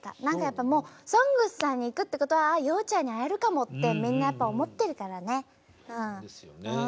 何かやっぱりもう「ＳＯＮＧＳ」さんに行くってことはあ洋ちゃんに会えるかもってみんなやっぱ思ってるからね。ですよね。